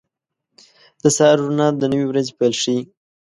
• د سهار روڼا د نوې ورځې پیل ښيي.